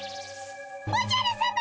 おじゃるさま！